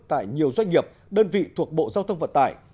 tại nhiều doanh nghiệp đơn vị thuộc bộ giao thông vận tải